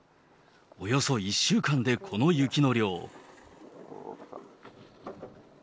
およそ１週間でこの雪の量。